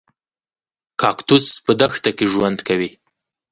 کاکتوس په دښته کې ژوند کوي